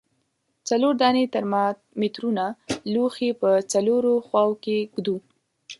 څلور دانې ترمامترونه لوښي په څلورو خواو کې ږدو.